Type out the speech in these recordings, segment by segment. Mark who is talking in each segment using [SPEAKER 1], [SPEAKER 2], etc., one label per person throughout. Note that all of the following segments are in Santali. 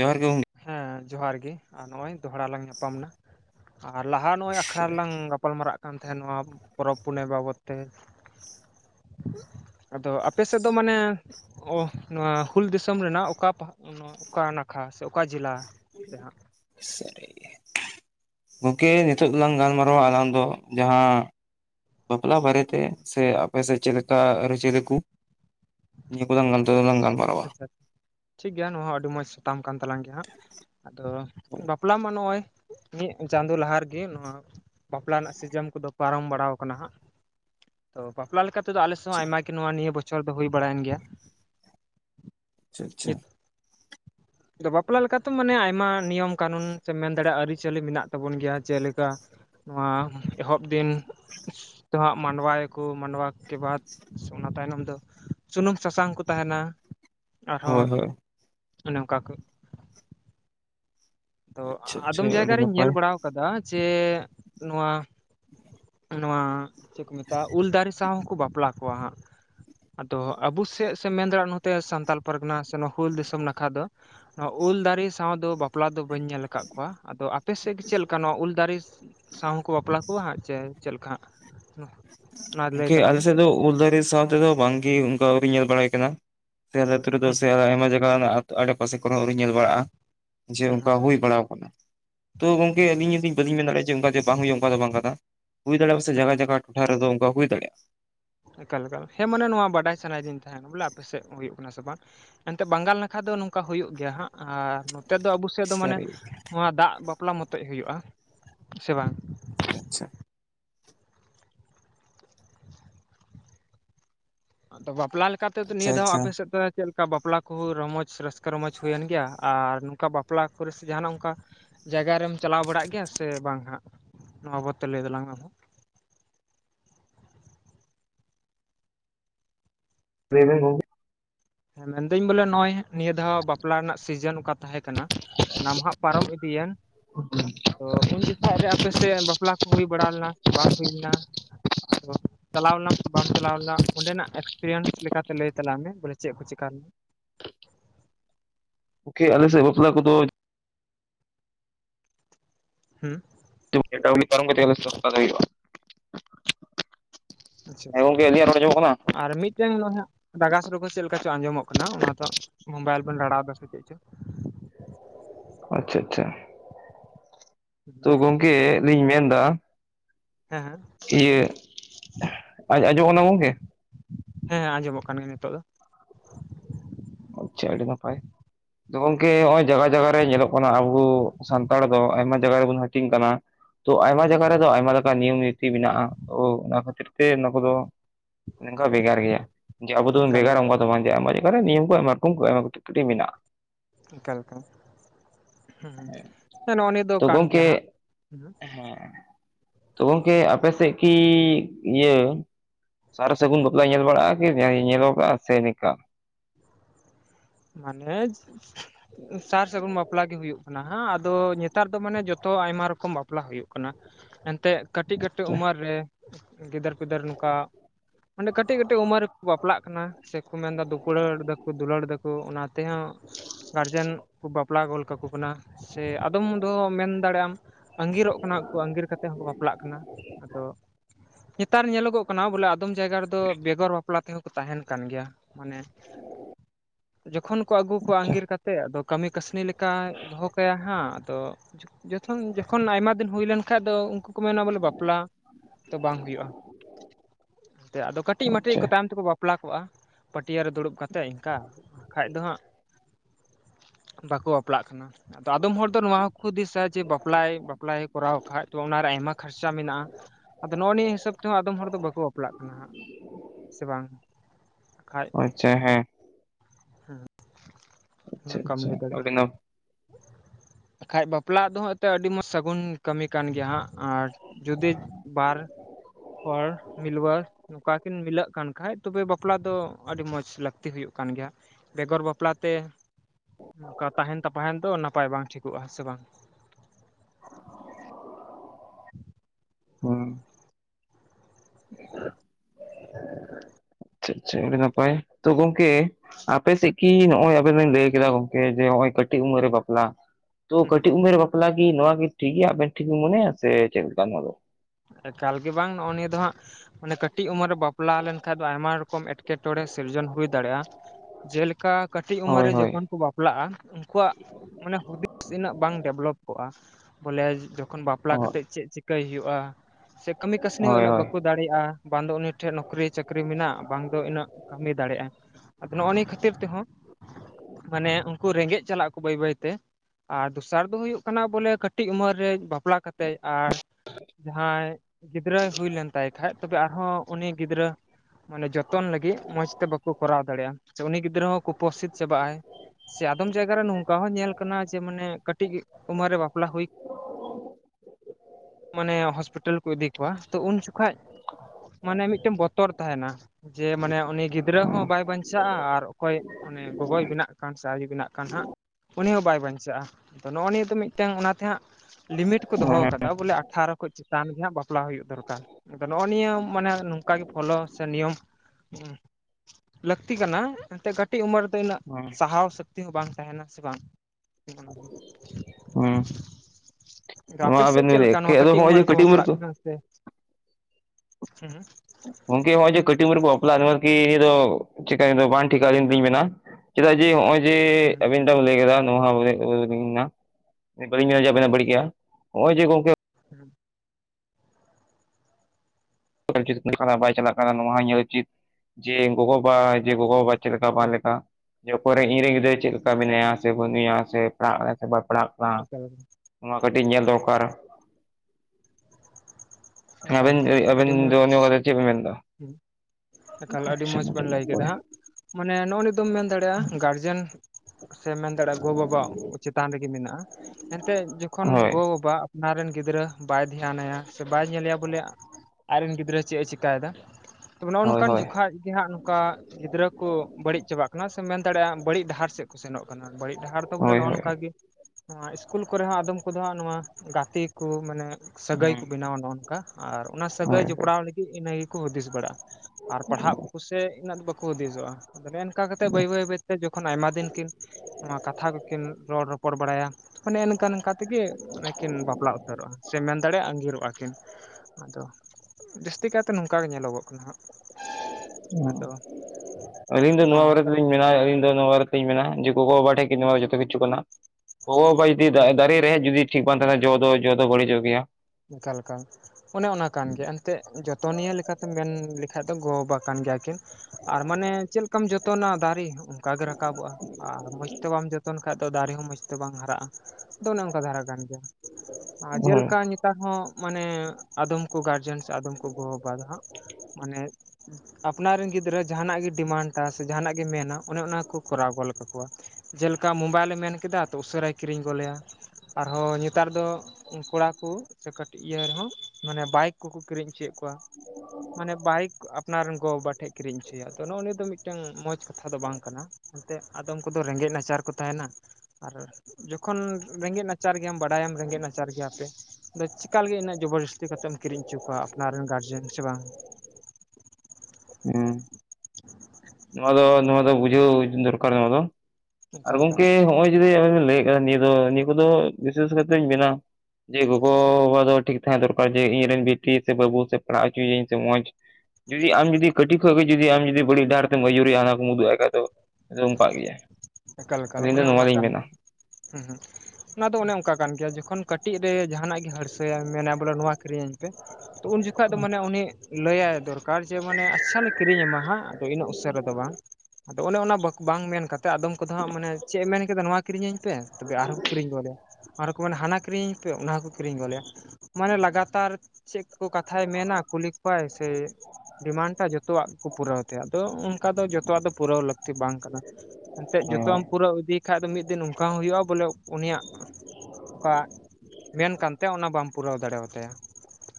[SPEAKER 1] ᱡᱚᱦᱟᱨ ᱜᱮ ᱜᱳᱢᱠᱮ
[SPEAKER 2] ᱦᱮᱸ ᱡᱚᱦᱟᱨ ᱜᱮ ᱟᱨ ᱦᱚ ᱫᱚᱲᱦᱟ ᱞᱟᱝ ᱧᱟᱯᱟᱢ ᱮᱱᱟ ᱟᱨ ᱞᱟᱦᱟ ᱱᱚᱜᱼᱚᱭ ᱟᱠᱷᱲᱟ
[SPEAKER 1] ᱜᱚᱝᱠᱮ
[SPEAKER 2] ᱨᱮᱞᱟᱝ ᱜᱟᱯᱟᱞ ᱢᱟᱨᱟᱜ ᱠᱟᱱᱟ ᱠᱟᱱ ᱛᱟᱦᱮᱸᱱ ᱛᱟᱦᱮᱫ ᱱᱚᱣᱟ ᱯᱚᱨᱚᱵᱽ ᱯᱩᱱᱟᱹᱭ ᱵᱟᱵᱚᱫ ᱛᱮ ᱟᱫᱚ ᱟᱯᱮᱥᱮᱫ ᱫᱚ ᱢᱟᱱᱮ ᱱᱚᱣᱟ ᱦᱩᱞ ᱫᱤᱥᱚᱢ ᱨᱮᱱᱟᱜ ᱚᱠᱟᱟᱦ ᱚᱠᱟ ᱱᱟᱠᱷᱟ ᱥᱮ ᱚᱠᱟ ᱡᱮᱞᱟ ᱥᱮᱦᱟᱸᱜ
[SPEAKER 1] ᱥᱟᱨᱤ ᱜᱮ ᱜᱚᱢᱠᱮ ᱱᱤᱛᱚᱜ ᱫᱚ ᱞᱟᱝ ᱜᱟᱞᱢᱟᱨᱟᱣᱟ ᱟᱞᱟᱝ ᱫᱚ ᱡᱟᱦᱟᱸ ᱵᱟᱯᱞᱟ ᱵᱟᱨᱮᱛᱮ ᱥᱮ ᱟᱯᱮ ᱥᱮᱫ ᱪᱮᱫ ᱞᱮᱠᱟ ᱟᱹᱨᱤᱪᱟᱞᱤ ᱠᱚ ᱱᱤᱭᱟᱹ ᱠᱚᱞᱟᱝ
[SPEAKER 2] ᱦᱚᱸ
[SPEAKER 1] ᱞᱟᱝ ᱜᱟᱞᱢᱟᱨᱟᱣᱟ
[SPEAKER 2] ᱟᱪᱪᱷᱟ ᱴᱷᱤᱠ ᱜᱮᱭᱟ ᱱᱚᱣᱟ ᱦᱚ ᱟᱹᱰᱤ ᱢᱚᱡᱽ ᱦᱟᱛᱟᱢ ᱠᱟᱱ ᱛᱟᱞᱟᱝ ᱜᱮᱭᱟ ᱦᱟᱸᱜ ᱟᱫᱚ ᱵᱟᱯᱞᱟ ᱢᱟ ᱱᱚᱜᱼᱚᱭ ᱢᱤᱫ ᱪᱟᱸᱫᱳ ᱞᱟᱦᱟ ᱨᱮᱜᱮ ᱱᱚᱣᱟ ᱵᱟᱯᱞᱟ ᱨᱮᱱᱟᱜ ᱥᱤᱡᱚᱱ ᱠᱚᱫᱚ ᱯᱟᱨᱚᱢ ᱵᱟᱲᱟᱣ ᱟᱠᱟᱱᱟ ᱦᱟᱸᱜ ᱾ ᱛᱚ ᱵᱟᱯᱞᱟ ᱞᱮᱠᱟ ᱛᱮᱫᱚ ᱟᱞᱮ ᱥᱮ ᱦᱚᱸ
[SPEAKER 1] ᱟᱪᱪᱷᱟ
[SPEAKER 2] ᱟᱭᱢᱟ ᱜᱮ ᱱᱚᱣᱟ ᱱᱤᱭᱟᱹ ᱵᱚᱪᱷᱚᱨ ᱫᱚ ᱦᱩᱭ ᱵᱟᱲᱟᱭᱮᱱ ᱜᱮᱭᱟ ᱾
[SPEAKER 1] ᱟᱪᱪᱷᱟ ᱟᱪᱪᱷᱟ ᱾
[SPEAKER 2] ᱵᱟᱯᱞᱟ ᱞᱮᱠᱟ ᱞᱮᱠᱟ ᱛᱮ ᱢᱟᱱᱮ ᱟᱭᱢᱟ ᱱᱤᱭᱚᱢ ᱠᱟᱱᱩᱱ ᱥᱮ ᱢᱮᱱ ᱫᱟᱲᱮᱭᱟᱜᱼᱟ ᱟᱹᱨᱤᱪᱟᱹᱞᱤ ᱢᱮᱱᱟᱜ ᱛᱟᱵᱚᱱ ᱜᱮᱭᱟ ᱡᱮᱞᱮᱠᱟ ᱱᱚᱣᱟ ᱮᱦᱚᱵ ᱫᱤᱱ ᱛᱮᱦᱟᱸᱜ ᱢᱟᱰᱣᱟᱭᱟᱠᱚ ᱢᱟᱰᱣᱟ ᱠᱮ ᱵᱟᱫ ᱚᱱᱟ ᱛᱟᱭᱱᱚᱢ ᱫᱚ ᱥᱩᱱᱩᱢ ᱥᱟᱥᱟᱝ ᱠᱚ ᱛᱟᱦᱮᱱᱟ ᱾
[SPEAKER 1] ᱦᱳᱭ ᱦᱳᱭ ᱾
[SPEAKER 2] ᱚᱱᱮ ᱚᱱᱠᱟ ᱠᱚ ᱛᱚ
[SPEAKER 1] ᱟᱪᱪᱷᱟ ᱟᱪᱪᱷᱟ
[SPEAKER 2] ᱟᱫᱚᱢ
[SPEAKER 1] ᱟᱹᱰᱤ
[SPEAKER 2] ᱡᱟᱭᱜᱟ ᱨᱤᱧ
[SPEAKER 1] ᱱᱟᱯᱟᱭ
[SPEAKER 2] ᱧᱮᱞ ᱵᱟᱲᱟ ᱟᱠᱟᱫᱟ ᱡᱮ ᱱᱚᱣᱟ
[SPEAKER 1] ᱦ [inaudible]
[SPEAKER 2] ᱱᱚᱣᱟ ᱪᱮ ᱠᱚ ᱢᱮᱛᱟᱜᱼᱟ ᱩᱞ ᱫᱟᱨᱮ ᱥᱟᱶ ᱦᱚᱸᱠᱚ ᱵᱟᱯᱞᱟ ᱠᱚᱣᱟ ᱦᱟᱸᱜ ᱾ ᱟᱫᱚ ᱟᱵᱚ ᱥᱮᱫ ᱥᱮ ᱮᱢ ᱢᱮᱱ ᱫᱟᱲᱮᱭᱟᱜᱼᱟ ᱱᱚᱛᱮ ᱥᱟᱱᱛᱟᱞ ᱯᱟᱨᱜᱟᱱᱟ ᱥᱮ ᱱᱚᱣᱟ ᱦᱩᱞ ᱫᱤᱥᱚᱢ ᱱᱟᱠᱷᱟ ᱫᱚ ᱱᱚᱣᱟ ᱩᱞ ᱫᱟᱨᱮ ᱥᱟᱶ ᱫᱚ ᱵᱟᱯᱞᱟ ᱫᱚ ᱵᱟᱹᱧ ᱧᱮᱞ ᱟᱠᱟᱫ ᱠᱚᱣᱟ ᱟᱫᱚ ᱟᱯᱮ ᱥᱮᱫ ᱜᱮ ᱪᱮᱫ ᱞᱮᱠᱟ ᱱᱚᱣᱟ ᱩᱞ ᱫᱟᱨᱮ ᱥᱟᱶ ᱦᱚᱸᱠᱚ ᱵᱟᱯᱞᱟ ᱠᱚᱣᱟ ᱦᱟᱸᱜ ᱪᱮ ᱪᱮᱫ ᱞᱮᱠᱟ ᱦᱟᱸᱜ ᱚᱱᱟ ᱞᱟᱹᱭ
[SPEAKER 1] ᱜᱚᱢᱠᱮ
[SPEAKER 2] ᱛᱟᱞᱟᱝ
[SPEAKER 1] ᱟᱞᱮ
[SPEAKER 2] ᱢᱮ
[SPEAKER 1] ᱥᱮᱫ ᱫᱚ ᱩᱞ ᱫᱟᱨᱮ ᱥᱟᱶ ᱛᱮᱫᱚ ᱵᱟᱝᱜᱮ ᱚᱱᱠᱟ ᱟᱹᱣᱨᱤ ᱧᱮᱞ ᱵᱟᱲᱟᱭ ᱠᱟᱱᱟ ᱾ ᱥᱮ ᱟᱞᱮ ᱟᱹᱛᱩ ᱨᱮᱫᱚ
[SPEAKER 2] ᱦᱩᱸ
[SPEAKER 1] ᱥᱮ ᱟᱭᱢᱟ ᱡᱟᱭᱜᱟ ᱟᱲᱮ ᱯᱟᱥᱮ ᱠᱚᱨᱮ ᱦᱚᱸ ᱟᱹᱣᱨᱤ ᱧᱮᱞ ᱵᱟᱲᱟᱜᱼᱟ ᱾ ᱡᱮ
[SPEAKER 2] ᱦᱩᱸ
[SPEAKER 1] ᱚᱱᱠᱟ
[SPEAKER 2] ᱦᱩᱸ
[SPEAKER 1] ᱦᱩᱭ ᱵᱟᱲᱟ ᱟᱠᱟᱱᱟ ᱾ ᱛᱚ ᱜᱚᱝᱠᱮ
[SPEAKER 2] ᱟᱪᱪᱷᱟ
[SPEAKER 1] ᱟᱹᱞᱤᱧ ᱞᱤᱧ ᱢᱮᱱ ᱫᱟᱲᱮᱭᱟᱜᱼᱟ ᱚᱱᱠᱟ ᱵᱟᱝ ᱦᱩᱭᱩᱜᱼᱟ ᱚᱱᱠᱟ ᱫᱚ ᱵᱟᱝ ᱠᱟᱱᱟ ᱦᱩᱭ ᱫᱟᱲᱮᱭᱟᱜᱼᱟ ᱥᱮ ᱡᱟᱭᱜᱟ
[SPEAKER 2] ᱦᱩᱸ
[SPEAKER 1] ᱡᱟᱭᱜᱟ ᱾ ᱴᱚᱴᱷᱟ ᱨᱮᱫᱚ ᱚᱱᱠᱟ ᱦᱩᱭ ᱫᱟᱲᱮᱭᱟᱜᱼᱟ ᱾
[SPEAKER 2] ᱮᱠᱟᱞ ᱮᱞᱮᱠᱟ ᱦᱮᱸ ᱢᱟᱱᱮ ᱱᱚᱣᱟ ᱵᱟᱰᱟᱭ ᱥᱟᱱᱟᱭᱮᱫᱤᱧ ᱛᱟᱦᱮᱸ ᱠᱟᱱᱟ ᱵᱚᱞᱮ ᱟᱯᱮ ᱥᱮᱫ ᱦᱩᱭᱩᱜ ᱠᱟᱱᱟ ᱥᱮ ᱵᱟᱝ ᱾ ᱦᱟᱱᱛᱮ ᱵᱟᱝᱜᱟᱞ ᱱᱟᱠᱷᱟ ᱫᱚ ᱱᱚᱝᱠᱟ ᱦᱩᱭᱩᱜ ᱜᱮᱭᱟ ᱦᱟᱸᱜ ᱟᱨ ᱱᱚᱛᱮ ᱫᱚ ᱟᱵᱩ ᱥᱮᱫ ᱫᱚ ᱢᱟᱱᱮ
[SPEAKER 1] ᱥᱟᱹᱨᱤ
[SPEAKER 2] ᱱᱚᱣᱟ ᱫᱟᱜ ᱵᱟᱯᱞᱟ ᱢᱚᱛᱚᱡ ᱦᱩᱭᱩᱜᱼᱟ ᱥᱮ ᱵᱟᱝ
[SPEAKER 1] ᱟᱪᱪᱷᱟ ᱾
[SPEAKER 2] ᱟᱫᱚ ᱵᱟᱯᱞᱟ ᱞᱮᱠᱟ ᱞᱮᱠᱟ ᱛᱮᱫᱚ
[SPEAKER 1] ᱟᱪᱪᱷᱟ
[SPEAKER 2] ᱱᱤᱭᱟᱹ ᱫᱷᱟᱹᱣ
[SPEAKER 1] ᱟᱪᱪᱷᱟ
[SPEAKER 2] ᱟᱯᱮ ᱥᱮᱫ ᱫᱚ ᱪᱮᱫ ᱞᱮᱠᱟ ᱵᱟᱯᱞᱟ ᱠᱚᱦᱚᱸ ᱨᱚᱢᱚᱡᱽ ᱨᱟᱹᱥᱠᱟᱹ ᱨᱚᱢᱚᱡ ᱦᱩᱭᱮᱱ ᱜᱮᱭᱟ ᱟᱨ ᱱᱚᱝᱠᱟ ᱵᱟᱯᱞᱟ ᱠᱚᱨᱮ ᱥᱮ ᱡᱟᱦᱟᱱᱟᱜ ᱚᱱᱠᱟ ᱡᱟᱭᱜᱟ ᱨᱮᱢ ᱪᱟᱞᱟᱣ ᱵᱟᱲᱟᱜ ᱜᱮᱭᱟ ᱥᱮ ᱵᱟᱝ ᱦᱟᱸᱜ ᱱᱚᱣᱟ ᱵᱟᱵᱚᱛ ᱛᱮ ᱞᱟᱹᱭ ᱛᱟᱞᱟᱝ ᱢᱮ ᱦᱟᱸᱜ
[SPEAKER 1] ᱞᱵ [unintelligible]
[SPEAKER 2] ᱦᱮᱸ ᱢᱮᱱ ᱫᱟᱹᱧ ᱵᱚᱞᱮ ᱱᱚᱜᱼᱚᱭ ᱱᱤᱭᱟᱹ ᱫᱷᱟᱹᱣ ᱵᱟᱯᱞᱟ ᱨᱮᱱᱟᱜ ᱥᱤᱡᱮᱱ ᱚᱠᱟ ᱛᱟᱦᱮᱸ ᱠᱟᱱᱟ ᱚᱱᱟᱢᱟ ᱦᱟᱸᱜ ᱯᱟᱨᱚᱢ ᱤᱫᱤᱭᱮᱱ ᱾
[SPEAKER 1] ᱦᱩ [unintelligible]
[SPEAKER 2] ᱛᱚ ᱩᱱ ᱡᱚᱠᱷᱟᱡ ᱨᱮ ᱟᱯᱮ ᱥᱮᱫ ᱵᱟᱯᱞᱟ ᱠᱚ ᱦᱩᱭ ᱵᱟᱲᱟ ᱞᱮᱱᱟ ᱥᱮ ᱵᱟᱝ ᱦᱩᱭ ᱞᱮᱱᱟ ᱟᱫᱚ ᱪᱟᱞᱟᱣ ᱞᱮᱱᱟᱢ ᱵᱟᱢ ᱪᱟᱞᱟᱣ ᱞᱮᱱᱟ ᱚᱸᱰᱮᱱᱟᱜ ᱮᱠᱥᱯᱮᱨᱤᱭᱮᱱᱥ ᱞᱮᱠᱟ ᱛᱮ ᱞᱟᱹᱭ ᱛᱟᱞᱟᱝ ᱢᱮ ᱵᱚᱞᱮ ᱪᱮᱫ ᱠᱚ ᱪᱮᱠᱟ ᱞᱮᱱᱟ?
[SPEAKER 1] ᱜᱚᱝᱠᱮ ᱟᱞᱮ ᱥᱮᱫ ᱵᱟᱯᱞᱟ ᱠᱚᱫᱚ
[SPEAKER 2] ᱦᱩᱸ
[SPEAKER 1] [unintelligible]
[SPEAKER 2] ᱟᱪᱪᱷᱟ
[SPEAKER 1] ᱦᱮᱸ
[SPEAKER 2] ᱟᱪᱪᱷᱟ
[SPEAKER 1] ᱜᱚᱝᱠᱮ ᱟᱹᱞᱤᱧᱟ ᱨᱚᱲ ᱠᱚ ᱟᱸᱡᱚᱢᱚᱜ ᱠᱟᱱᱟ?
[SPEAKER 2] ᱟᱨ ᱢᱤᱫᱴᱮᱱ ᱫᱚ ᱦᱟᱸᱜ ᱨᱟᱜᱟᱥ ᱨᱚᱜᱚᱥ ᱪᱮᱫ ᱞᱮᱠᱟ ᱪᱚ ᱟᱸᱡᱚᱢᱚᱜ ᱠᱟᱱᱟ ᱚᱱᱟ ᱫᱚ ᱢᱳᱵᱟᱭᱤᱞ ᱵᱮᱱ ᱞᱟᱲᱟᱣ ᱮᱫᱟ ᱥᱮ ᱪᱮᱫ ᱪᱚ?
[SPEAKER 1] ᱟᱪᱪᱷᱟ ᱟᱪᱪᱷᱟ᱾ ᱛᱚ ᱜᱚᱝᱠᱮ ᱞᱤᱧ ᱢᱮᱱᱫᱟ
[SPEAKER 2] ᱦᱮᱸ ᱦᱮᱸ ᱠᱩᱞᱤ ᱵᱮᱱ
[SPEAKER 1] ᱤᱭᱟᱹ ᱟᱸᱡᱚᱢᱚᱜ ᱠᱟᱱᱟ ᱜᱚᱝᱠᱮ?
[SPEAKER 2] ᱦᱮᱸ ᱦᱮᱸ ᱟᱸᱡᱚᱢᱚᱜ ᱠᱟᱱ ᱜᱮᱭᱟ ᱱᱤᱛᱚᱜ ᱫᱚ᱾
[SPEAKER 1] ᱟᱪᱪᱷᱟ ᱟᱹᱰᱤ ᱱᱟᱯᱟᱭ᱾ ᱜᱚᱝᱠᱮ ᱱᱚᱜᱼᱚᱭ ᱡᱟᱭᱜᱟ ᱡᱟᱭᱜᱟ ᱨᱮ ᱧᱮᱞᱚᱜ ᱠᱟᱱᱟ ᱟᱵᱚ ᱥᱟᱱᱛᱟᱲ ᱫᱚ ᱟᱭᱢᱟ ᱡᱟᱭᱜᱟ ᱨᱮᱵᱚᱱ ᱦᱟᱹᱴᱤᱧ ᱠᱟᱱᱟ ᱛᱚ ᱟᱭᱢᱟ
[SPEAKER 2] ᱦᱮᱸ ᱦᱮᱸ
[SPEAKER 1] ᱡᱟᱭᱜᱟ ᱨᱮᱫᱚ ᱟᱭᱢᱟ ᱞᱮᱠᱟ ᱱᱤᱭᱚᱢ ᱱᱤᱛ ᱛᱤ ᱢᱮᱱᱟᱜᱼᱟ, ᱚ ᱚᱱᱟ ᱠᱷᱟᱹᱛᱤᱨ ᱛᱮ ᱚᱱᱟ ᱠᱚᱫᱚ ᱱᱚᱝᱠᱟ ᱵᱷᱮᱜᱟᱨ ᱜᱮᱭᱟ ᱡᱮ ᱟᱵᱚ ᱫᱚᱵᱚᱱ
[SPEAKER 2] ᱮᱠᱟᱞ
[SPEAKER 1] ᱵᱷᱮᱜᱟᱨ ᱚᱱᱠᱟ ᱫᱚ ᱵᱟᱝᱼᱟᱨ ᱱᱤᱭᱚᱢ [unintelligible] ᱠᱟᱹᱴᱤᱡ ᱠᱟᱹᱴᱤᱡ ᱢᱮᱱᱟᱜᱼᱟ᱾
[SPEAKER 2] ᱮᱠᱟᱞ ᱮᱠᱟᱞ ᱦᱩᱸ ᱦᱩᱸᱸ ᱱᱚᱜᱼᱚ ᱱᱤᱭᱟᱹ ᱫᱚ
[SPEAKER 1] ᱛᱚ
[SPEAKER 2] ᱠᱟᱱ ᱜᱮᱭᱟ ᱦᱟᱸᱜ᱾
[SPEAKER 1] ᱜᱚᱝᱠᱮ
[SPEAKER 2] ᱦᱩᱸ
[SPEAKER 1] ᱦᱮᱸ ᱛᱚ ᱜᱚᱝᱠᱮ ᱟᱯᱮ ᱥᱮᱫ ᱠᱤ ᱤᱭᱟᱹ ᱥᱟᱨ ᱥᱟᱹᱜᱩᱱ ᱵᱟᱯᱞᱟ ᱧᱮᱞ ᱵᱟᱲᱟᱜᱼᱟ ᱠᱤ ᱡᱟᱦᱟᱸᱭ ᱧᱮᱞᱚᱜᱟᱜ-ᱟ ᱥᱮ ᱱᱤᱝᱠᱟ
[SPEAKER 2] ᱢᱟᱱᱮᱡ ᱥᱟᱨ ᱥᱟᱹᱜᱩᱱ ᱵᱟᱯᱞᱟ ᱜᱮ ᱦᱩᱭᱩᱜ ᱠᱟᱱᱟ ᱦᱟᱸᱜ ᱟᱫᱚ ᱱᱮᱛᱟᱨ ᱫᱚ ᱢᱟᱱᱮ ᱡᱚᱛᱚ ᱟᱭᱢᱟ ᱨᱚᱠᱚᱢ ᱵᱟᱯᱞᱟ ᱦᱩᱭᱩᱜ ᱠᱟᱱᱟ᱾ ᱮᱱᱛᱮᱫ ᱠᱟᱹᱴᱤᱡ ᱠᱟᱹᱴᱤᱡ
[SPEAKER 1] ᱟᱪᱪᱷᱟ
[SPEAKER 2] ᱩᱢᱮᱨ ᱨᱮ ᱜᱤᱫᱟᱹᱨ-ᱯᱤᱫᱟᱹᱨ ᱱᱚᱝᱠᱟ ᱢᱟᱱᱮ ᱠᱟᱹᱴᱤᱡ ᱠᱟᱹᱴᱤᱡ ᱩᱢᱮᱨ ᱨᱮᱠᱚ ᱵᱟᱯᱞᱟᱜ ᱠᱟᱱᱟ ᱥᱮᱠᱚ ᱢᱮᱱᱫᱟ ᱫᱩᱯᱲᱟᱹᱲ ᱫᱟᱠᱚ ᱫᱩᱞᱟᱹᱲ ᱫᱟᱠᱚ᱾ ᱛᱚ ᱚᱱᱟ ᱛᱮᱦᱚᱸ ᱜᱟᱨᱡᱮᱱ ᱠᱚ ᱵᱟᱯ ᱯᱞᱟ ᱜᱚᱞ ᱠᱟᱠᱚ ᱠᱟᱱᱟ ᱥᱮ ᱟᱫᱚᱢ ᱫᱚ ᱢᱮᱱ ᱫᱟᱲᱮᱭᱟᱜ-ᱟᱢ ᱟᱸᱜᱤᱨᱚᱜ ᱠᱟᱱᱟ ᱠᱚ ᱟᱸᱜᱤᱨ ᱠᱟᱛᱮ ᱦᱚᱸᱠᱚ ᱵᱟᱯᱞᱟᱜ ᱠᱟᱱᱟ ᱟᱫᱚ ᱱᱮᱛᱟᱨ ᱧᱮᱞᱚᱜᱚᱜᱼ- ᱠᱟᱱᱟ, ᱵᱚᱞᱮ ᱟᱫᱚᱢ ᱡᱟᱭᱜᱟ ᱨᱮᱫᱚ ᱵᱮᱜᱚᱨ ᱵᱟᱯᱞᱟ ᱛᱮᱦᱚᱸ ᱠᱚ ᱛᱟᱦᱮᱱ ᱠᱟᱱ ᱜᱮᱭᱟ ᱢᱟᱱᱮ ᱡᱚᱠᱷᱚᱱ ᱠᱚ ᱟᱹᱜᱩ ᱠᱚᱣᱟ
[SPEAKER 1] ᱟᱪᱪᱷᱟ
[SPEAKER 2] ᱟᱸᱜᱤᱨ ᱠᱟᱛᱮᱷ ᱟᱫᱚ ᱠᱟᱹᱢᱤ ᱠᱟᱹᱥᱱᱤ ᱞᱮᱠᱟᱭ ᱫᱚᱦᱚ ᱠᱟᱭᱟ ᱦᱟᱸᱜ ᱟᱫᱚ ᱡᱚᱛᱷᱚᱱ ᱡᱚᱠᱷᱚᱱ ᱟᱭᱢᱟ ᱫᱤᱱ ᱦᱩᱭ ᱞᱮᱱᱠᱷᱟᱡ ᱫᱚ ᱩᱱᱠᱩ ᱠᱚ ᱢᱮᱱᱟ ᱵᱚᱞᱮ ᱵᱟᱯᱞᱟ ᱛᱚ ᱵᱟᱝ ᱦᱩᱭᱩᱜᱼᱟ ᱛᱮ ᱟᱫᱚ ᱠᱟᱹᱴᱤᱡ ᱢᱟᱹᱴᱤᱡ
[SPEAKER 1] ᱟᱪᱪᱷᱟ
[SPEAKER 2] ᱛᱟᱭᱚᱢ ᱛᱮᱠᱚ ᱵᱟᱯᱞᱟ ᱠᱚᱜᱼᱟ᱾ ᱯᱟᱹᱴᱭᱟᱹ ᱨᱮ ᱫᱩᱲᱩᱵ ᱠᱟᱛᱮᱜ ᱤᱱᱠᱟ ᱵᱟᱠᱷᱟᱡ ᱫᱚ ᱦᱟᱸᱜ ᱵᱟᱠᱚ ᱵᱟᱯᱞᱟᱜ ᱠᱟᱱᱟ᱾ ᱟᱫᱚ ᱟᱫᱚᱢ ᱦᱚᱲ ᱫᱚ ᱱᱚᱣᱟ ᱦᱚᱸ ᱠᱚ ᱦᱩᱫᱤᱥᱟ ᱡᱮ ᱵᱟᱯᱞᱟᱭ ᱵᱟᱯᱞᱟᱭᱮ ᱠᱚᱨᱟᱣ ᱠᱷᱟᱡ ᱛᱚ ᱚᱱᱟᱨᱮ ᱟᱭᱢᱟ ᱠᱷᱚᱨᱪᱟ ᱢᱮᱱᱟᱜᱼᱟ᱾ ᱟᱫᱚ ᱱᱚᱜᱼᱚ ᱱᱤᱭᱟᱹ ᱦᱤᱥᱟᱹᱵ ᱛᱮᱦᱚᱸ ᱟᱫᱚᱢ ᱦᱚᱲ ᱫᱚ ᱵᱟᱠᱚ ᱵᱟᱯᱞᱟᱜ ᱠᱟᱱᱟ ᱦᱟᱸᱜ᱾ ᱥᱮ ᱵᱟᱝ ᱠᱷᱟᱡ
[SPEAKER 1] ᱟᱪᱪᱷᱟ ᱦᱮᱸ
[SPEAKER 2] ᱦᱮᱸ
[SPEAKER 1] ᱟᱪᱪᱷᱟ
[SPEAKER 2] ᱱᱟᱝᱠᱟᱢ
[SPEAKER 1] ᱟᱪᱪᱷᱟ
[SPEAKER 2] ᱞᱟᱹᱭ ᱫᱟᱲᱮᱭᱟᱜ।
[SPEAKER 1] ᱟᱹᱰᱤ ᱱᱟᱯᱟᱭ
[SPEAKER 2] ᱵᱟᱠᱷᱟᱡ ᱵᱟᱯᱞᱟᱜ ᱫᱚ ᱦᱟᱸᱜ ᱦᱳᱭᱛᱳ ᱟᱹᱰᱤ ᱢᱚᱸᱡᱽ ᱥᱟᱹᱜᱩᱱ ᱠᱟᱹᱢᱤ ᱠᱟᱱ ᱜᱮᱭᱟ ᱦᱟᱸᱜ᱾ ᱟᱨ ᱡᱩᱫᱤ ᱵᱟᱨ ᱦᱚᱲ ᱢᱤᱞᱣᱟᱹ ᱱᱚᱝᱠᱟ ᱠᱤᱱ ᱢᱤᱞᱟᱹᱜ ᱠᱟᱱᱼᱼ ᱠᱷᱟᱡ ᱛᱚᱵᱮ ᱵᱟᱯᱞᱟ ᱫᱚ ᱟᱹᱰᱤ ᱢᱚᱡᱽ ᱞᱟᱹᱠᱛᱤ ᱦᱩᱭᱩᱜ ᱠᱟᱱ ᱜᱮᱭᱟ᱾ ᱵᱮᱜᱚᱨ ᱵᱟᱯᱞᱟᱛᱮ ᱱᱚᱝᱠᱟ ᱛᱟᱦᱮᱱ ᱛᱟᱯᱟᱦᱮᱱ ᱫᱚ ᱱᱟᱯᱟᱭ ᱵᱟᱝ ᱴᱷᱤᱠᱚᱜᱼᱟ ᱥᱮ ᱵᱟᱝ? [inaudible]
[SPEAKER 1] ᱦᱩᱸ
[SPEAKER 2] [inaudible]
[SPEAKER 1] ᱟᱪᱪᱷᱟ ᱟᱪᱪᱷᱟ ᱟᱹᱰᱤ ᱱᱟᱯᱟᱭ ᱛᱚ ᱜᱚᱝᱠᱮ ᱟᱯᱮ ᱥᱮᱫ ᱠᱤ ᱱᱚᱜ-ᱚᱭ ᱟᱵᱮᱱ ᱵᱮᱱ ᱞᱟᱹᱭ ᱠᱮᱫᱟ ᱜᱚᱝᱠᱮ ᱡᱮ ᱱᱚᱜ-ᱚᱭ ᱠᱟᱹᱴᱤᱡ ᱩᱢᱟᱹᱨ ᱨᱮ ᱵᱟᱯᱞᱟ᱾ ᱛᱚ
[SPEAKER 2] ᱦᱩᱸ
[SPEAKER 1] ᱠᱟᱹᱴᱤᱡ ᱩᱢᱮᱨ ᱨᱮ ᱵᱟᱯᱞᱟ ᱠᱤ ᱱᱚᱣᱟ ᱜᱮ ᱴᱷᱤᱠ ᱜᱮᱭᱟ ᱟᱵᱮᱱ ᱴᱷᱤᱠ ᱵᱮᱱ ᱢᱚᱱᱮᱭᱟ ᱥᱮ ᱪᱮᱫ ᱞᱮᱠᱟ ᱱᱚᱣᱟ ᱫᱚ
[SPEAKER 2] ᱮᱠᱟᱞ ᱜᱮ ᱵᱟᱝ ᱱᱚᱜᱼᱚ ᱱᱤᱭᱟᱹ ᱫᱚ ᱦᱟᱸᱜ ᱢᱟᱱᱮ ᱠᱟᱹᱴᱤᱡ ᱩᱢᱮᱨ ᱨᱮ ᱵᱟᱯᱞᱟ ᱞᱮᱱᱠᱟᱱ ᱫᱚ ᱟᱭᱢᱟ ᱨᱚᱠᱚᱢ ᱮᱴᱠᱮ ᱮᱴᱠᱮᱴᱚᱬᱮ ᱥᱤᱨᱡᱚᱱ ᱦᱩᱭ ᱫᱟᱲᱮᱭᱟᱜᱼᱟ- ᱡᱮᱞᱮᱠᱟ ᱠᱟᱹᱴᱤᱡ ᱩᱢᱮᱨ
[SPEAKER 1] ᱦᱳᱭ
[SPEAKER 2] ᱨᱮ
[SPEAKER 1] ᱦᱳᱭ
[SPEAKER 2] ᱡᱚᱠᱷᱚᱱ ᱼᱼ ᱠᱚ ᱵᱟᱯᱞᱟᱜᱼᱟ ᱩᱱᱠᱩᱣᱟᱜ ᱢᱟᱱᱮ ᱦᱩᱫᱤᱥ ᱩᱱᱟᱹᱜ ᱵᱟᱝ ᱰᱮᱵᱷᱞᱚᱯ ᱠᱚᱜᱼᱟ᱾ ᱵᱚᱞᱮ ᱡᱚᱠᱷᱚᱱ ᱵᱟᱯᱞᱟ ᱠᱟᱛᱮᱫ ᱪᱮᱫ ᱪᱤᱠᱟᱹᱭ ᱦᱩᱭᱩᱜᱼᱟ ᱥᱮ ᱠᱟᱹᱢᱤ ᱠᱟᱹᱥᱱᱤ ᱦᱚᱸ
[SPEAKER 1] ᱦᱳᱭ
[SPEAKER 2] ᱩᱱᱟᱹᱜ
[SPEAKER 1] ᱦᱳᱭ
[SPEAKER 2] ᱵᱟᱠᱚ ᱫᱟᱲᱮᱭᱟᱜᱼᱟ ᱵᱟᱝ ᱫᱚ ᱩᱱᱤ ᱴᱷᱮᱱ ᱱᱚᱠᱨᱤ ᱪᱟᱹᱠᱨᱤ ᱢᱮᱱᱟᱜ ᱵᱟᱝ ᱫᱚ ᱩᱱᱟᱹᱜ ᱠᱟᱹᱢᱤ ᱫᱟᱲᱮᱭᱟᱜᱼᱟ। ᱟᱫᱚ ᱱᱚᱜᱼᱚ ᱱᱤᱭᱟᱹ ᱠᱷᱟᱹᱛᱤᱨ ᱛᱮᱦᱚᱸ ᱢᱟᱱᱮ ᱩᱱᱠᱩ ᱨᱮᱸᱜᱮᱡ ᱪᱟᱞᱟᱜᱼᱟ ᱠᱚ ᱵᱟᱹᱭ ᱵᱟᱹᱭ ᱛᱮ। ᱟᱨ ᱫᱚᱥᱟᱨ ᱫᱚ ᱦᱩᱭᱩᱜ ᱠᱟᱱᱟ ᱵᱚᱞᱮ ᱠᱟᱹᱴᱤᱡ ᱩᱢᱟᱹᱨ ᱨᱮ ᱵᱟᱯᱞᱟ ᱠᱟᱛᱮᱜ ᱟᱨ ᱡᱟᱦᱟᱸᱭ ᱜᱤᱫᱽᱨᱟᱹᱭ ᱦᱩᱭ ᱞᱮᱱ ᱛᱟᱭ ᱠᱷᱟᱡ ᱛᱚᱵᱮ ᱟᱨᱦᱚᱸ ᱩᱱᱤ ᱜᱤᱫᱽᱨᱟᱹ ᱼᱼ ᱢᱟᱱᱮ ᱡᱚᱛᱚᱱ ᱞᱟᱹᱜᱤᱫ ᱢᱚᱸᱡᱽᱛᱮ ᱵᱟᱠᱚ ᱠᱚᱨᱟᱣ ᱫᱟᱲᱮᱭᱟᱜᱼᱟ ᱩᱱᱤ ᱜᱤᱫᱽᱨᱟᱹ ᱦᱚᱸ ᱠᱩᱯᱥᱤᱛ ᱪᱟᱵᱟᱜᱼ ᱟᱭ। ᱥᱮ ᱟᱫᱚᱢ ᱡᱟᱭᱜᱟ ᱨᱮ ᱱᱚᱝᱠᱟ ᱦᱚᱸ ᱧᱮᱞ ᱠᱟᱱᱟ ᱡᱮ ᱢᱟᱱᱮ ᱠᱟᱹᱴᱤᱡ ᱩᱢᱟᱹᱨ ᱨᱮ ᱵᱟᱯᱞᱟ ᱦᱩᱭ ᱼᱼ ᱢᱟᱱᱮ ᱦᱚᱥᱯᱤᱴᱟᱞ ᱠᱚ ᱤᱫᱤ ᱠᱚᱣᱟ ᱛᱚ ᱩᱱ ᱡᱚᱠᱷᱟᱡ ᱢᱟᱱᱮ ᱢᱤᱫᱴᱮᱱ ᱵᱚᱛᱚᱨ ᱛᱟᱦᱮᱱᱟ। ᱡᱮ ᱢᱟᱱᱮ ᱩᱱᱤ ᱜᱤᱫᱽᱨᱟᱹ
[SPEAKER 1] ᱦᱮᱸ
[SPEAKER 2] ᱦᱚᱸ ᱵᱟᱭ ᱵᱟᱧᱪᱟᱜᱼᱟ ᱟᱨ ᱚᱠᱚᱭ ᱼᱼ ᱢᱟᱱᱮ ᱜᱚᱜᱚᱭ ᱵᱮᱱᱟᱜ ᱠᱟᱱ ᱥᱮ ᱟᱭᱳ ᱵᱮᱱᱟᱜ ᱠᱟᱱ ᱦᱟᱸᱜ ᱼᱼ ᱩᱱᱤ ᱦᱚᱸ ᱵᱟᱭ ᱵᱟᱧᱪᱟᱜᱼᱟ ᱛᱚ ᱱᱚᱜᱼᱚᱭ ᱱᱤᱭᱟᱹ ᱛᱮ ᱢᱤᱫᱴᱟᱝ ᱚᱱᱟ ᱛᱮᱦᱟᱸᱜ ᱞᱤᱢᱤᱴ ᱠᱚ ᱫᱚᱦᱚ
[SPEAKER 1] ᱦᱮᱸ
[SPEAKER 2] ᱟᱠᱟᱫᱟ ᱵᱚᱞᱮ। ᱟᱴᱷᱟᱨᱚ ᱠᱷᱚᱡ ᱪᱮᱛᱟᱱ ᱜᱮ ᱦᱟᱸᱜ ᱵᱟᱯᱞᱟ ᱦᱩᱭᱩᱜ ᱫᱚᱨᱠᱟᱨ ᱟᱫᱚ ᱱᱚᱜᱼᱚ ᱱᱤᱭᱟᱹ ᱢᱟᱱᱮ ᱱᱚᱝᱠᱟ ᱜᱮ ᱯᱷᱳᱞᱳ ᱥᱮ ᱱᱤᱭᱚᱢ ᱼᱼ ᱦᱮᱸ ᱞᱟᱹᱠᱛᱤ ᱠᱟᱱᱟ ᱮᱱᱛᱮ ᱠᱟᱹᱴᱤᱡ ᱩᱢᱮᱨ ᱨᱮᱫᱚ ᱩᱱᱟᱹᱜ ᱥᱟᱦᱟᱣ ᱼᱼ ᱛᱤ ᱦᱚᱸ ᱵᱟᱝ ᱛᱟᱦᱮᱱᱟ ᱥᱮ ᱵᱟᱝ?
[SPEAKER 1] ᱦᱮᱸ ᱱᱚᱣᱟ ᱟᱵᱮᱱ
[SPEAKER 2] ᱟᱯᱮᱥᱮᱫ
[SPEAKER 1] ᱵᱮᱱ
[SPEAKER 2] ᱪᱮᱞ
[SPEAKER 1] ᱞᱟᱹᱭ ᱠᱮᱫ
[SPEAKER 2] ᱱᱚᱣᱟ
[SPEAKER 1] ᱟᱫᱚ
[SPEAKER 2] ᱠᱟᱹᱴᱤᱡ
[SPEAKER 1] ᱱᱚᱜᱼᱚᱭ
[SPEAKER 2] ᱩᱢᱮᱨ
[SPEAKER 1] ᱡᱮ
[SPEAKER 2] ᱨᱮᱠᱚ ᱵᱟᱯᱞᱟᱜ
[SPEAKER 1] ᱠᱚ
[SPEAKER 2] ᱠᱟᱱᱟ ᱥᱮ ᱦᱮᱸ
[SPEAKER 1] ᱜᱚᱢᱠᱮ ᱦᱚᱸᱜᱼᱚᱭ ᱡᱮ ᱠᱟᱹᱴᱤᱡ ᱩᱢᱮᱨ ᱨᱮ ᱠᱚ ᱵᱟᱯᱞᱟᱜ ᱱᱣᱟ [inaudible] ᱠᱤ ᱫᱚ ᱪᱮᱠᱟ [inaudible] ᱫᱚ ᱵᱟᱝ ᱴᱷᱤᱠᱟ ᱟᱞᱤᱧ ᱫᱚᱞᱤᱧ ᱢᱮᱱᱟ ᱪᱮᱫᱟᱜ ᱡᱮ ᱱᱚᱜᱼᱚᱭ ᱡᱮ
[SPEAKER 2] ᱦᱩᱸ
[SPEAKER 1] ᱟᱹᱵᱤᱱ ᱞᱟᱹᱭ ᱠᱟᱫᱟ [inaudible] ᱵᱟᱹᱞᱤᱧ ᱢᱮᱱᱟ ᱡᱮ ᱟᱵᱤᱱᱟᱜ ᱵᱟᱹᱲᱤᱡ ᱜᱮᱭᱟ ᱱᱚᱜᱼᱚᱭ ᱡᱮ ᱜᱚᱢᱠᱮ
[SPEAKER 2] ᱦᱮᱸ [inaudible]
[SPEAKER 1] ᱩ [inaudible] ᱵᱟᱭ ᱪᱟᱞᱟᱜ ᱠᱟᱱᱟ ᱱᱚᱣᱟ ᱦᱚᱸ ᱧᱮᱞ ᱩᱪᱤᱛ ᱡᱮ ᱜᱚᱜᱚᱵᱟ ᱡᱮ ᱜᱚᱜᱚᱵᱟᱵᱟ ᱪᱮᱫ ᱞᱮᱠᱟ ᱵᱟᱝ
[SPEAKER 2] ᱮᱠᱟᱞ
[SPEAKER 1] ᱞᱮᱠᱟ ᱡᱮ ᱚᱠᱚᱭᱨᱮ [inaudible] ᱤᱧᱨᱮᱱ ᱜᱤᱫᱽᱨᱟᱹ ᱪᱮᱫ ᱞᱮᱠᱟ ᱢᱮᱱᱟᱭᱟ ᱥᱮ ᱵᱟᱹᱱᱩᱭᱟ [inaudible] ᱥᱮ ᱯᱟᱲᱦᱟᱜ ᱠᱟᱱᱟ ᱥᱮ ᱵᱟᱭ ᱯᱟᱲᱦᱟᱜ ᱠᱟᱱᱟ
[SPEAKER 2] ᱮᱠᱟᱞ
[SPEAKER 1] ᱱᱚᱣᱟ ᱠᱟᱹᱴᱤᱡ ᱧᱮᱞ ᱫᱚᱨᱠᱟᱨ ᱟᱵᱮᱱ
[SPEAKER 2] [unintelligible] [inaudible] ᱟᱹᱰᱤ
[SPEAKER 1] ᱟᱵᱮᱱ
[SPEAKER 2] ᱢᱚᱸᱡᱽ
[SPEAKER 1] ᱫᱚ ᱱᱚᱣᱟ ᱠᱟᱛᱮ ᱪᱮᱫ ᱵᱮᱱ ᱢᱮᱱᱫᱟ
[SPEAKER 2] ᱮᱠᱟᱞ ᱟᱹᱰᱤ ᱢᱚᱸᱡᱽ ᱵᱤᱱ ᱞᱟᱹᱭ ᱠᱮᱫᱟ ᱦᱟᱸᱜ ᱢᱟᱱᱮ ᱱᱚᱜᱼᱚᱭ ᱱᱤᱛ ᱫᱚᱢ ᱢᱮᱱ ᱫᱟᱲᱮᱭᱟᱜᱼᱟ ᱜᱟᱨᱡᱮᱱ ᱼᱼ ᱥᱮᱢ ᱢᱮᱱ ᱫᱟᱲᱮᱭᱟᱜᱼᱟ ᱜᱚᱼᱵᱟᱵᱟᱣᱟᱜ ᱪᱮᱛᱟᱱ ᱨᱮᱜᱮ ᱢᱮᱱᱟᱜᱼᱟ ᱮᱱᱛᱮᱫ ᱡᱚᱠᱷᱚᱱ
[SPEAKER 1] ᱦᱳᱭ
[SPEAKER 2] ᱜᱚᱼᱵᱟᱵᱟ ᱼᱼ ᱚᱱᱟ ᱨᱮᱱ ᱜᱤᱫᱽᱨᱟᱹ ᱵᱟᱭ ᱫᱷᱮᱟᱱᱟᱭᱟ ᱥᱮ ᱼᱼ ᱵᱟᱭ ᱧᱮᱞᱮᱭᱟ ᱵᱚᱞᱮ ᱟᱡᱨᱮᱱ ᱜᱤᱫᱽᱨᱟᱹ ᱪᱮᱫ ᱮ ᱪᱤᱠᱟᱭᱮᱫᱟ ᱛᱚᱵᱮ ᱱᱚᱜᱼᱚ
[SPEAKER 1] ᱦᱳᱭ ᱦᱳᱭ
[SPEAKER 2] ᱱᱚᱝᱠᱟᱱ
[SPEAKER 1] ᱦᱳᱭ
[SPEAKER 2] ᱡᱚᱠᱷᱟᱡ ᱜᱮ ᱦᱟᱸᱜ ᱠᱟ ᱜᱤᱫᱽᱨᱟᱹ ᱠᱚ ᱵᱟᱹᱲᱤᱡ ᱪᱟᱵᱟᱜ ᱠᱟᱱᱟ ᱥᱮ ᱢᱮᱱ ᱫᱟᱲᱮᱭᱟᱜᱼᱟ ᱵᱟᱹᱲᱤᱡ ᱰᱟᱦᱟᱨ ᱥᱮᱫ ᱠᱚ ᱥᱮᱱᱚᱜ ᱠᱟᱱᱟ ᱵᱟᱹᱲᱤᱡ ᱰᱟᱦᱟᱨ ᱫᱚ ᱵᱚᱞᱮ
[SPEAKER 1] ᱦᱳᱭ
[SPEAKER 2] ᱱᱚᱜᱼᱚ
[SPEAKER 1] ᱦᱳᱭ
[SPEAKER 2] ᱱᱚᱝᱠᱟ
[SPEAKER 1] ᱦᱳᱭ
[SPEAKER 2] ᱜᱮ ᱤᱥᱠᱩᱞ ᱠᱚᱨᱮ ᱦᱚᱸ ᱟᱫᱚᱢ ᱠᱚᱫᱚ ᱦᱟᱸᱜ ᱱᱚᱣᱟ ᱜᱟᱛᱮ ᱠᱚ ᱢᱟᱱᱮ ᱥᱟᱹᱜᱟᱹᱭ ᱠᱚ ᱵᱮᱱᱟᱣᱟ ᱱᱚᱜ ᱱᱚᱝᱠᱟ ᱟᱨ ᱚᱱᱟ ᱥᱟᱹᱜᱟᱹᱭ
[SPEAKER 1] ᱦᱳᱭ ᱦᱳᱭ ᱦᱳᱭ
[SPEAKER 2] ᱡᱚᱯᱲᱟᱣ ᱞᱟᱹᱜᱤᱫ ᱤᱱᱟᱹ ᱜᱮᱠᱚ ᱦᱩᱫᱤᱥ ᱵᱟᱲᱟᱜᱼᱟ ᱟᱨ ᱯᱟᱲᱦᱟᱜ ᱠᱚᱥᱮᱜ ᱩᱱᱟᱹᱜ ᱫᱚ ᱵᱟᱠᱚ ᱦᱩᱫᱤᱥᱚᱜᱼᱟ ᱟᱫᱚ ᱮᱱᱠᱟ ᱠᱟᱛᱮᱫ ᱵᱟᱹᱭ ᱵᱟᱹᱭ ᱵᱟᱹᱭᱛᱮ ᱡᱚᱠᱷᱚᱱ ᱟᱭᱢᱟ ᱫᱤᱱ ᱠᱤᱱ ᱱᱚᱣᱟ ᱠᱟᱛᱷᱟ ᱠᱚᱠᱤᱱ ᱨᱚᱲ ᱨᱚᱯᱚᱲ ᱵᱟᱲᱟᱭᱟ ᱚᱱᱮ ᱚᱱᱝᱠᱟ ᱱᱚᱝᱠᱟ ᱛᱮᱜᱮ ᱚᱱᱮ ᱠᱤᱱ ᱵᱟᱯᱞᱟ ᱩᱛᱟᱹᱨᱚᱜᱼᱟ ᱥᱮ ᱢᱮᱱ ᱫᱟᱲᱮᱭᱟᱜᱼᱟ ᱟᱸᱜᱤᱨᱚᱜ [inaudible] ᱟᱹᱠᱤᱱ ᱟᱫᱚ ᱡᱟᱹᱥᱛᱤ ᱠᱟᱭᱛᱮ ᱱᱚᱝᱠᱟ ᱜᱮ ᱧᱮᱞᱚᱜᱚᱜ ᱠᱟᱱᱟ
[SPEAKER 1] ᱦᱳᱭ
[SPEAKER 2] ᱟᱫᱚ ᱱᱚᱣᱟ [inaudible]
[SPEAKER 1] ᱱᱟ [inaudible] ᱤᱧ ᱫᱚ ᱱᱚᱣᱟ [inaudible] ᱢᱮᱱᱟ ᱡᱮ ᱜᱚᱜᱚᱵᱟ ᱴᱷᱮᱱ ᱜᱮ ᱱᱚᱣᱟ ᱫᱚ ᱡᱚᱛᱚ ᱠᱤᱪᱷᱩ ᱠᱟᱱᱟ ᱜᱚᱜᱚ ᱵᱟ ᱡᱩᱫᱤ ᱫᱟᱨᱮ ᱨᱮ ᱡᱩᱫᱤ ᱴᱷᱤᱠ ᱵᱟᱝ ᱛᱟᱦᱮᱱᱟ ᱡᱚ ᱫᱚ ᱡᱚ ᱫᱚ ᱵᱟᱹᱲᱤᱡᱚᱜ ᱜᱮᱭᱟ
[SPEAKER 2] ᱮᱠᱟᱞ ᱮᱠᱟᱞ ᱚᱱᱮ ᱚᱱᱟ ᱠᱟᱱ ᱜᱮᱭᱟ ᱮᱱᱛᱮᱫ ᱡᱚᱛᱚᱱᱤᱭᱟᱹ ᱞᱮᱠᱟᱛᱮᱢ ᱢᱮᱱ ᱞᱮᱠᱷᱟᱡ ᱫᱚ ᱜᱚᱼ ᱵᱟᱵᱟ ᱠᱟᱱ ᱜᱮᱭᱟ ᱠᱤᱱ ᱟᱨ ᱢᱟᱱᱮ ᱪᱮᱫ ᱞᱮᱠᱟᱢ ᱡᱚᱛᱚᱱᱟ ᱫᱟᱨᱮ ᱚᱱᱠᱟ ᱜᱮ ᱨᱟᱠᱟᱵᱚᱜᱼᱟ ᱟᱨ ᱢᱚᱸᱡᱽ ᱛᱮ ᱵᱟᱢ ᱡᱚᱛᱚ ᱡᱚᱛᱚᱱ ᱠᱷᱟ ᱫᱚ ᱫᱟᱨᱮ ᱦᱚᱸ ᱢᱚᱸᱡᱽ ᱛᱮ ᱵᱟᱝ ᱦᱟᱨᱟᱜᱼᱟ ᱟᱫᱚ ᱚᱱᱮ ᱚᱱᱠᱟ ᱫᱷᱟᱨᱟ ᱠᱟᱱ ᱜᱮᱭᱟ ᱟᱨ ᱡᱮᱞᱮᱠᱟ ᱱᱮᱛᱟᱨ ᱦᱚᱸ ᱢᱟᱱᱮ ᱟᱫᱚᱢ ᱠᱚ ᱜᱟᱨᱡᱮᱱ ᱥᱮ ᱟᱫᱚᱢ ᱠᱚ ᱜᱚᱜᱚ ᱵᱟᱵᱟ ᱫᱚ ᱦᱟᱸᱜ ᱢᱟᱱᱮ ᱟᱯᱱᱟᱨ ᱨᱮᱱ ᱜᱤᱫᱽᱨᱟᱹ ᱡᱟᱦᱟᱱᱟᱜ ᱜᱮ ᱰᱤᱢᱟᱱᱴᱼᱟ ᱥᱮ ᱡᱟᱦᱟᱱᱟᱜ ᱜᱮ ᱢᱮᱱᱟ ᱚᱱᱮ ᱚᱱᱟ ᱠᱚ ᱠᱚᱨᱟᱣ ᱜᱚᱫ ᱠᱟᱠᱚᱣᱟ ᱡᱮᱞᱮᱠᱟ ᱢᱳᱵᱟᱭᱤᱞᱮ ᱢᱮᱱ ᱠᱮᱫᱟ ᱛᱚ ᱩᱥᱟᱹᱨᱟᱭ ᱠᱤᱨᱤᱧ ᱜᱚᱞ ᱞᱟᱭᱟ ᱟᱨᱦᱚᱸ ᱱᱮᱛᱟᱨ ᱫᱚ ᱠᱚᱲᱟ ᱠᱚ ᱥᱮ ᱠᱟᱹᱴᱤᱡ ᱤᱭᱟᱹ ᱨᱮᱦᱚᱸ ᱢᱟᱱᱮ ᱵᱟᱭᱤᱠ [inaudible] ᱠᱚ ᱠᱤᱨᱤᱧ ᱚᱪᱚᱭᱮᱫ ᱠᱚᱣᱟ ᱢᱟᱱᱮ ᱵᱟᱭᱤᱠ ᱟᱯᱱᱟᱨ ᱨᱮᱱ ᱜᱚ ᱵᱟᱵᱟ ᱴᱷᱮᱱ ᱠᱤᱨᱤᱧ ᱚᱪᱚᱭᱟ ᱛᱚ ᱱᱚᱜ ᱱᱤᱭᱟᱹ ᱫᱚ ᱢᱤᱫᱴᱟᱝ ᱢᱚᱸᱡᱽ ᱠᱟᱛᱷᱟ ᱫᱚ ᱵᱟᱝ ᱠᱟᱱᱟ ᱮᱱᱛᱮᱜ ᱟᱫᱚᱢ ᱠᱩᱫᱚ ᱨᱮᱸᱜᱮᱡ ᱱᱟᱪᱟᱨ ᱠᱚ ᱛᱟᱦᱮᱱᱟ᱾ ᱟᱨ ᱡᱚᱠᱷᱚᱱ ᱨᱮᱸᱜᱮᱡ ᱱᱟᱪᱟᱨ ᱜᱮᱭᱟᱢ ᱵᱟᱰᱟᱭᱟᱢ ᱨᱮᱸᱜᱮᱡ ᱱᱟᱪᱟᱨ ᱜᱮᱭᱟᱯᱮ᱾ ᱟᱫᱚ ᱪᱮᱠᱟᱞᱟᱜᱤᱜ ᱤᱱᱟᱹᱜ ᱡᱚᱵᱚᱨ ᱡᱚᱥᱛᱤ ᱠᱟᱛᱮᱢ ᱠᱤᱨᱤᱧ ᱚᱪᱚ ᱠᱚᱣᱟ ᱟᱯᱱᱟᱨ ᱨᱮᱱ ᱜᱟᱨᱡᱮᱱ ᱥᱮ ᱵᱟᱝ?
[SPEAKER 1] ᱦᱮᱸ ᱱᱚᱣᱟ ᱫᱚ ᱱᱚᱣᱟ ᱫᱚ ᱵᱩᱡᱷᱟᱹᱣ ᱫᱚᱨᱠᱟᱨ ᱱᱚᱣᱟ ᱫᱚ ᱟᱨ
[SPEAKER 2] ᱮᱠᱟᱞ ᱮᱠᱟᱞ
[SPEAKER 1] ᱜᱚᱝᱠᱮ ᱦᱚᱸᱜᱼᱚᱭ ᱡᱩᱫᱤ ᱟᱵᱤᱱ ᱵᱤᱱ ᱞᱟᱹᱭᱮᱜ ᱠᱟᱱᱟ ᱱᱤᱭᱟᱹ ᱫᱚ ᱱᱤᱭᱟᱹ ᱠᱚᱫᱚ ᱵᱤᱥᱮᱥ ᱠᱟᱭᱛᱮᱧ ᱢᱮᱱᱟ ᱡᱮ ᱜᱚᱜᱚ ᱵᱟᱵᱟ ᱫᱚ ᱴᱷᱤᱠ ᱛᱟᱦᱮᱸ ᱫᱚᱨᱠᱟᱨ ᱡᱮ ᱤᱧᱨᱮᱱ ᱵᱤᱴᱤ ᱥᱮ ᱵᱟᱹᱵᱩ ᱥᱮ ᱯᱟᱲᱦᱟᱣ ᱦᱚᱪᱚᱭᱟᱹᱧ ᱥᱮ ᱢᱚᱡᱽ ᱡᱩᱫᱤ ᱟᱢ ᱡᱩᱫᱤ ᱠᱟᱹᱴᱤᱜ ᱠᱷᱚᱡ ᱜᱮ ᱡᱩᱫᱤ ᱟᱢ ᱡᱩᱫᱤ ᱵᱟᱹᱲᱤᱡᱴᱜ ᱰᱟᱦᱟᱨ ᱛᱮᱢ ᱟᱹᱭᱩᱨᱤᱭᱟ ᱦᱟᱱᱟ ᱠᱚᱢ ᱩᱫᱩᱜᱼᱟᱭ ᱠᱷᱟᱡ ᱫᱚ ᱩᱱᱤ ᱫᱚ ᱚᱝᱠᱟᱜ ᱜᱮᱭᱟᱭ
[SPEAKER 2] ᱮᱠᱟᱞ ᱮᱠᱟᱞ
[SPEAKER 1] ᱟᱹᱞᱤᱧ ᱫᱚ
[SPEAKER 2] ᱚᱱᱮ
[SPEAKER 1] ᱱᱚᱣᱟ
[SPEAKER 2] ᱚᱱᱟ
[SPEAKER 1] ᱞᱤᱧ
[SPEAKER 2] ᱠᱟᱱ
[SPEAKER 1] ᱢᱮᱱᱟ᱾
[SPEAKER 2] ᱜᱮᱭᱟ ᱦᱩᱸ ᱦᱩᱸ ᱚᱱᱟ ᱫᱚ ᱚᱱᱮ ᱚᱝᱠᱟ ᱠᱟᱱ ᱜᱮᱭᱟ ᱡᱚᱠᱷᱚᱱ ᱠᱟᱹᱴᱤᱜ ᱨᱮ ᱡᱟᱦᱟᱱᱟᱜ ᱜᱮ ᱦᱟᱹᱲᱥᱟᱹᱭᱟ ᱢᱮᱱᱟ ᱵᱚᱞᱮ ᱱᱚᱣᱟ ᱠᱤᱨᱤᱧ ᱟᱹᱧ ᱯᱮ ᱛᱚ ᱩᱱ ᱡᱚᱠᱷᱟᱡ ᱫᱚ ᱢᱟᱱᱮ ᱩᱱᱤ ᱞᱟᱹᱭᱟᱭ ᱫᱚᱨᱠᱟᱨ ᱡᱮ ᱢᱟᱱᱮ ᱟᱪᱪᱷᱟ ᱞᱮ ᱠᱤᱨᱤᱧ ᱟᱢᱟ ᱦᱟᱸᱜ᱾ ᱟᱫᱚ ᱤᱱᱟᱹᱜ ᱩᱥᱟᱹᱨᱟ ᱫᱚ ᱵᱟᱝ ᱟᱫᱚ ᱚᱱᱮ ᱚᱱᱟ ᱵᱟᱠ ᱵᱟᱝ ᱢᱮᱱ ᱠᱟᱛᱮᱜ ᱟᱫᱚᱢ ᱠᱩᱫᱚ ᱦᱟᱸᱜ ᱢᱟᱱᱮ ᱪᱮᱜ ᱮᱢ ᱢᱮᱱ ᱠᱮᱫᱟ ᱱᱚᱣᱟ ᱠᱤᱨᱤᱧᱟᱹᱧ ᱯᱮ ᱛᱚᱵᱮ ᱟᱨᱦᱚᱸᱢ ᱠᱤᱨᱤᱧ ᱟᱜᱩᱫᱮᱭᱟ ᱟᱨᱚ ᱠᱚ ᱢᱮᱱᱟ ᱦᱟᱱᱟ ᱠᱤᱨᱤᱧᱟᱹᱧ ᱯᱮ ᱚᱱᱟ ᱦᱚᱸᱠᱚ ᱠᱤᱨᱤᱧ ᱜᱚᱫ ᱞᱮᱭᱟ ᱢᱟᱱᱮ ᱞᱟᱜᱟᱛᱟᱨ ᱪᱮᱜ ᱠᱚ ᱠᱟᱛᱷᱟᱭ ᱢᱮᱱᱟ ᱠᱩᱞᱤ ᱠᱚᱣᱟᱭ ᱥᱮ ᱰᱤᱢᱟᱱᱛᱟᱭ ᱡᱚᱛᱚᱣᱟᱜ ᱠᱚ ᱯᱩᱨᱟᱹᱣ ᱛᱟᱭᱟ ᱟᱫᱚ ᱚᱝᱠᱟ ᱫᱚ ᱡᱚᱛᱚᱣᱟᱜ ᱫᱚ ᱯᱩᱨᱟᱹᱣ ᱞᱟᱹᱠᱛᱤ ᱵᱟᱝ ᱠᱟᱱᱟ ᱮᱱᱛᱮᱜ
[SPEAKER 1] ᱦᱳᱭ
[SPEAKER 2] ᱡᱚᱛᱚᱢ
[SPEAKER 1] ᱦᱳᱭ
[SPEAKER 2] ᱯᱩᱨᱟᱹᱣ ᱤᱫᱤᱭ ᱠᱷᱟᱡ ᱫᱚ ᱢᱤᱫ ᱫᱤᱱ ᱚᱱᱠᱟ ᱦᱚᱸ ᱦᱩᱭᱩᱜ-ᱟ ᱵᱚᱞᱮ ᱩᱱᱤᱭᱟᱜᱼᱼ ᱚᱠᱟ ᱢᱮᱱ ᱠᱟᱱ ᱛᱟᱭᱟ ᱚᱱᱟ ᱵᱟᱢ ᱯᱩᱨᱟᱹᱣ ᱫᱟᱲᱮᱭ ᱣᱟᱛᱟᱭᱟ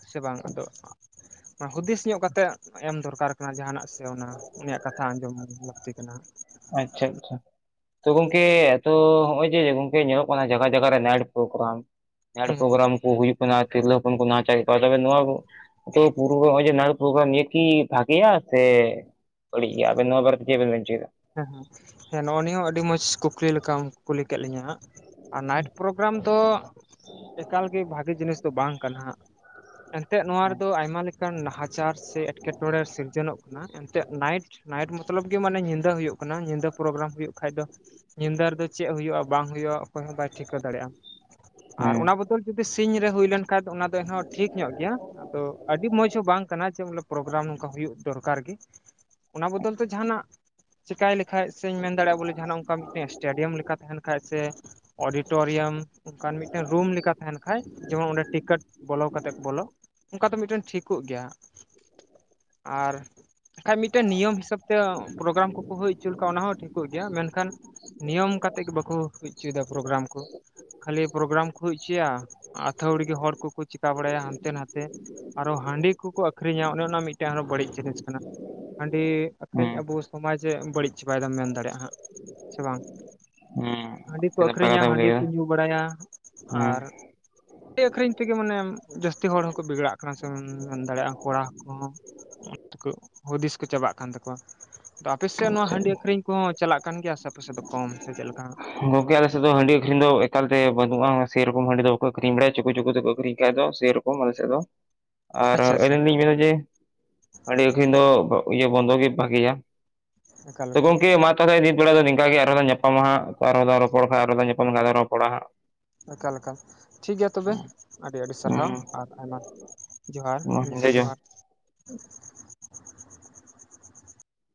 [SPEAKER 2] ᱥᱮ ᱵᱟᱝ? ᱟᱫᱚ ᱟᱸᱜᱼᱼ ᱱᱟ ᱦᱩᱫᱤᱥ ᱧᱚᱜ ᱠᱟ ᱠᱟᱛᱮᱜ ᱮᱢ ᱫᱚᱨᱠᱟᱨ ᱠᱟᱱᱟ ᱡᱟᱦᱟᱸ ᱱᱟᱜ ᱥᱮ ᱚᱱᱟᱼᱼ ᱩᱱᱤᱭᱟᱜ ᱠᱟᱛᱷᱟ ᱟᱸᱡᱚᱢ ᱞᱟᱠᱛᱤ ᱠᱟᱱᱟ᱾
[SPEAKER 1] ᱟᱪᱪᱷᱟ ᱟᱪᱪᱷᱟ ᱛᱚ ᱜᱚᱝᱠᱮ ᱮᱛᱚ ᱦᱚᱸᱜ-ᱚᱭ ᱡᱮ ᱜᱚᱝᱠᱮ ᱧᱮᱞᱚᱜ ᱠᱟᱱᱟ ᱡᱟᱜᱟ ᱡᱟᱜᱟ ᱨᱮ ᱱᱟᱭᱤᱴ ᱯᱨᱳᱜᱽᱨᱟᱢ᱾ ᱱᱟᱭᱤᱴ
[SPEAKER 2] ᱦᱮᱸ
[SPEAKER 1] ᱯᱨᱳᱜᱽᱨᱟᱢ ᱠᱚ ᱦᱩᱭᱩᱜ ᱠᱟᱱᱟ ᱛᱤᱨᱞᱟᱹ ᱦᱚᱯᱚᱱ ᱠᱚ ᱱᱟᱦᱟᱪᱟᱨᱮᱜ ᱠᱚᱣᱟ ᱛᱚᱵᱮ ᱱᱚᱣᱟ ᱠᱚᱼᱼ ᱛᱚ ᱯᱩᱨᱩ ᱦᱚᱸᱜ-ᱚᱭ ᱡᱮ ᱱᱟᱭᱤᱴ‌ ᱯᱨᱳᱜᱽᱨᱟᱢ ᱱᱤᱭᱟᱹ ᱠᱤ ᱵᱷᱟᱜᱮᱭᱟ? ᱥᱮ ᱵᱟᱹᱲᱤᱡ ᱜᱮᱭᱟ ᱟᱵᱮᱱ ᱱᱚᱶᱟ ᱵᱟᱨᱮ ᱛᱮ ᱪᱮᱜ ᱵᱮᱱ ᱢᱮᱱᱪᱩᱭ ᱫᱟ?
[SPEAKER 2] ᱦᱮᱸ ᱦᱮᱸ ᱦᱮᱸ ᱱᱚᱜ-ᱚ ᱱᱤᱭᱟᱹ ᱦᱚᱸ ᱟᱹᱰᱤ ᱢᱚᱸᱡᱽ ᱠᱩᱠᱞᱤ ᱞᱮᱠᱟᱢ ᱠᱩᱞᱤ ᱠᱮᱫ ᱞᱤᱧᱟᱹ ᱦᱟᱸᱜ? ᱟᱨ ᱱᱟᱭᱤᱴ ᱯᱨᱳᱽᱨᱟᱢ ᱫᱚ ᱮᱠᱟᱞ ᱜᱮ ᱵᱷᱟᱜᱤ ᱡᱤᱱᱤᱥ ᱫᱚ ᱵᱟᱝ ᱠᱟᱱᱟ ᱦᱟᱸᱜᱼᱼ ᱮᱱᱛᱮᱜ ᱱᱚᱣᱟ ᱨᱮᱫᱚ ᱟᱭᱢᱟ ᱞᱮᱠᱟᱱ ᱱᱟᱦᱟᱪᱟᱨ ᱥᱮ ᱮᱴᱠᱮᱴᱚᱬᱮ ᱥᱤᱨᱡᱟᱹᱱᱚᱜ ᱠᱟᱱᱟ᱾ ᱮᱱ ᱛᱮᱜ ᱱᱟᱭᱤᱴ ᱱᱟᱭᱤᱴ ᱢᱚᱛᱞᱚᱵᱽ ᱜᱤ ᱢᱟᱱᱮ ᱧᱤᱫᱟᱹ ᱦᱩᱭᱩᱜ ᱠᱟᱱᱟ, ᱧᱤᱫᱟᱹ ᱯᱨᱳᱜᱽᱨᱟᱢ ᱦᱩᱭᱩᱜ ᱠᱷᱟᱡ ᱫᱚ ᱧᱤᱫᱟᱹ ᱨᱮᱫᱚ ᱪᱮᱜ ᱦᱩᱭᱩᱜᱼᱟ ᱵᱟᱝ ᱦᱩᱭᱩᱜᱼᱟ ᱚᱠᱚᱭ ᱦᱚᱸ ᱵᱟᱭ ᱴᱷᱤᱠᱟᱹ ᱫᱟᱲᱮᱭᱟᱜᱼᱟ ᱟᱨ
[SPEAKER 1] ᱦᱮᱸ
[SPEAKER 2] ᱚᱱᱟ ᱵᱚᱛᱼᱼ ᱛᱚᱞ ᱡᱩᱫᱤ ᱥᱤᱧ ᱨᱮ ᱦᱩᱭ ᱞᱮᱱ ᱠᱷᱟᱡ‌ ᱫᱚ ᱚᱱᱟ ᱫᱚ ᱮᱱᱦᱚᱸ ᱴᱷᱤᱠ ᱧᱚᱜ ᱜᱮᱭᱟ᱾ ᱟᱫᱚ ᱟᱹᱰᱤ ᱢᱚᱡᱽ ᱦᱚᱸ ᱵᱟᱝ ᱠᱟᱱᱟ ᱡᱮ ᱵᱚᱞᱮ ᱯᱨᱳᱜᱽᱨᱟᱢ ᱱᱚᱝᱠᱟ ᱦᱩᱭᱩᱜ ᱫᱚᱨᱠᱟᱨ ᱜᱤ᱾ ᱚᱱᱟ ᱵᱚᱫᱚᱞ ᱛᱮ ᱡᱟᱦᱟᱸ ᱱᱟᱜᱼᱼ ᱪᱤᱠᱟᱭ ᱞᱮᱠᱷᱟᱡ ᱥᱮᱧ ᱢᱮᱱ ᱫᱟᱲᱮᱭᱟᱜ-ᱟ ᱵᱚᱞᱮ ᱡᱟᱦᱟᱸ ᱱᱟᱜ ᱚᱝᱠᱟ ᱢᱤᱫᱴᱮᱱ ᱥᱴᱮᱰᱤᱭᱚᱢ ᱞᱮᱠᱟ ᱛᱟᱦᱮᱱ ᱠᱷᱟᱡ ᱥᱮ ᱚᱰᱤᱴᱚᱨᱤᱭᱟᱢ ᱚᱝᱠᱟᱱ ᱢᱤᱫᱴᱮᱱ ᱨᱩᱢ ᱞᱮᱠᱟ ᱛᱟᱦᱮᱱ ᱠᱷᱟᱡ ᱡᱮᱢᱚᱱ ᱚᱸᱰᱮ ᱴᱤᱠᱟᱹᱴ ᱵᱚᱞᱚ ᱠᱟᱛᱮᱜ ᱠᱚ ᱵᱚᱞᱚᱜ᱾ ᱚᱱᱠᱟ ᱫᱚ ᱢᱤᱴᱮᱱ ᱴᱷᱤᱠᱩᱜ ᱜᱮᱭᱟ᱾ ᱟᱨ ᱠᱷᱟᱡ ᱢᱤᱫᱴᱮᱱ ᱱᱤᱭᱚᱢ ᱦᱤᱥᱟᱹᱵᱽ ᱛᱮ ᱯᱨᱳᱜᱽᱨᱟᱢ ᱠᱚᱠᱚ ᱦᱩᱭ ᱩᱪᱩ ᱞᱮᱠᱷᱟᱡ ᱚᱱᱟ ᱦᱚᱸ ᱴᱷᱤᱠᱩᱜ ᱜᱮᱭᱟ ᱢᱮᱱᱠᱷᱟᱱ ᱱᱤᱭᱚᱢ ᱠᱟ ᱛᱮᱜ ᱜᱮ ᱵᱟᱠᱚ ᱦᱩᱭ ᱪᱩᱭᱫᱟ ᱯᱨᱳᱜᱽᱨᱟᱢ ᱠᱚ᱾ ᱠᱷᱟᱹᱞᱤ ᱯᱨᱳᱜᱽᱨᱟᱢ ᱠᱚ ᱦᱩᱭ ᱩᱪᱩᱭᱟ ᱟᱹᱛᱷᱟᱹᱣᱲᱤ ᱦᱚᱲ ᱠᱚᱠᱚ ᱪᱤᱠᱟ ᱵᱟᱲᱟᱭᱟ ᱦᱟᱱᱛᱮ ᱱᱟᱛᱮ᱾ ᱟᱨᱚ ᱦᱟᱺᱰᱤ ᱠᱚᱠᱚ ᱟᱹᱠᱷᱨᱤᱧᱟ ᱚᱱᱮ ᱚᱱᱟ ᱢᱤᱫᱴᱮᱱ ᱟᱨᱚ ᱵᱟᱹᱲᱤᱡ ᱡᱤᱱᱤᱥ ᱠᱟᱱᱟ᱾ ᱦᱟᱺᱰᱤ
[SPEAKER 1] ᱦᱮᱸ
[SPEAKER 2] ᱟᱹᱠᱷᱨᱤᱧ ᱟᱵᱩᱥ ᱼᱼ ᱥᱚᱢᱟᱡᱮ ᱵᱟᱹᱲᱤᱡ ᱪᱟᱵᱟᱭᱫᱟ ᱢᱮᱱ ᱫᱟᱲᱮᱜ-ᱟ ᱦᱟᱸᱜ ᱥᱮ ᱵᱟᱝ?
[SPEAKER 1] ᱦᱮᱸ
[SPEAKER 2] ᱦᱟᱺᱰᱤ ᱠᱚ
[SPEAKER 1] ᱟᱹᱰᱤ ᱱᱟᱯᱟᱭ
[SPEAKER 2] ᱟᱹᱠᱷᱨᱤᱧᱟ
[SPEAKER 1] ᱠᱟᱛᱷᱟᱢ ᱞᱟᱹᱭ
[SPEAKER 2] ᱦᱟᱺᱰᱤ ᱠᱩ
[SPEAKER 1] ᱠᱮᱫᱟ
[SPEAKER 2] ᱧᱩ ᱵᱟᱲᱟᱭᱟ,
[SPEAKER 1] ᱦᱮᱸ
[SPEAKER 2] ᱟᱨ ᱰᱤ ᱟᱹᱠᱷᱨᱤᱧ ᱛᱮᱜᱮ ᱢᱟᱱᱮ ᱡᱟᱹᱥᱛᱤ ᱦᱚᱲ ᱦᱚᱸᱠᱚ ᱵᱤᱜᱽᱲᱟᱜ ᱠᱟᱱᱟ ᱥᱮ ᱢᱮᱱ ᱫᱟᱲᱮᱜ-ᱟᱢ ᱠᱚᱲᱟ ᱠᱚ‌ᱦᱚᱸ᱾ ᱟᱸ ᱛᱟᱹᱠᱩᱜ ᱦᱩᱫᱤᱥ ᱠᱩ ᱪᱟᱵᱟᱜ ᱠᱟᱱ ᱛᱟᱠᱚᱣᱟ᱾ ᱛᱚ ᱟᱯᱮ ᱥᱮᱜ ᱱᱚᱣᱟ
[SPEAKER 1] ᱟᱪᱪᱷᱟ
[SPEAKER 2] ᱦᱟᱺᱰᱤ ᱟᱹᱠᱷᱨᱤᱧ ᱠᱚᱦᱚᱸ ᱪᱟᱞᱟᱜ ᱠᱟᱱ ᱜᱮᱭᱟ ᱥᱮ ᱟᱯᱮ ᱥᱮᱜ ᱫᱚ ᱠᱚᱢ ᱥᱮ ᱪᱮᱜ ᱞᱮᱠᱟ ᱦᱟᱸᱜ?
[SPEAKER 1] ᱜᱚᱝᱠᱮ ᱟᱞᱮ ᱥᱮᱜ ᱫᱚ ᱦᱟᱺᱰᱤ ᱟᱹᱠᱷᱨᱤᱧ ᱫᱚ ᱮᱠᱟᱞᱛᱮ ᱵᱟᱹᱱᱩᱜ-ᱟ, ᱥᱮᱭ ᱨᱚᱠᱚᱢ ᱦᱟᱺᱰᱤ ᱫᱚ ᱵᱟᱠᱚ ᱟᱹᱠᱷᱨᱤᱧ ᱵᱟᱲᱟᱭᱟ ᱪᱩᱠᱩ ᱪᱩᱠᱩ ᱛᱮᱠᱚ ᱟᱹᱠᱷᱨᱤᱧ ᱠᱷᱟᱡ ᱫᱚ ᱥᱮᱭ ᱨᱚ ᱠᱚᱢ ᱟᱞᱮ ᱥᱮᱜ ᱫᱚ᱾
[SPEAKER 2] [unintelligible]
[SPEAKER 1] ᱟᱨ
[SPEAKER 2] ᱟᱪᱪᱷᱟ
[SPEAKER 1] ᱟᱹᱞᱤᱧ ᱞᱤᱧ ᱢᱮᱱᱟ ᱡᱮ ᱦᱟᱺᱰᱤ ᱟᱹᱠᱷᱨᱤᱧ ᱫᱚ ᱵᱚ ᱤᱭᱟᱹ ᱵᱚᱱᱫᱚ ᱜᱮ ᱵᱷᱟᱜᱮᱭᱟ᱾
[SPEAKER 2] ᱮᱠᱟᱞ
[SPEAKER 1] ᱛᱚ
[SPEAKER 2] ᱮᱠᱟᱞ
[SPEAKER 1] ᱜᱚᱝᱠᱮ ᱢᱟ ᱛᱟᱦᱚᱞᱮ ᱱᱤᱛ ᱵᱮᱲᱟ ᱫᱚ ᱱᱮᱝᱠᱟ ᱜᱮ᱾ ᱟᱨᱚ ᱧᱟᱯᱟᱢᱟ ᱦᱟᱸᱜ ᱟᱨᱚ ᱫᱷᱟᱣ ᱨᱚᱯᱚᱲ ᱠᱷᱟᱡ ᱟᱨᱚ ᱧᱟᱯᱟᱢ ᱠᱷᱟᱡ ᱫᱚ ᱨᱚᱯᱚᱲᱟ ᱦᱟᱸᱜ᱾
[SPEAKER 2] ᱮᱠᱟᱞ ᱮᱠᱟᱞ᱾ ᱴᱷᱤᱠ ᱜᱮᱭᱟ ᱛᱚᱵᱮ ᱟᱹᱰᱤᱼᱟᱹᱰᱤ
[SPEAKER 1] ᱦᱩᱸ
[SPEAKER 2] ᱥᱟᱨᱦᱟᱣ ᱟᱨ ᱟᱭᱢᱟ ᱡᱚᱦᱟᱨ ᱧᱤᱫᱟᱹ ᱡᱚᱦᱟᱨ᱾